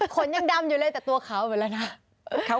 ขนยังดำอยู่เลยแต่ตัวขาวเหมือนละนะ